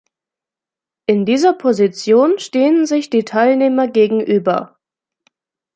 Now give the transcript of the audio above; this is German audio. In dieser Position stehen sich die Teilnehmer gegenüber.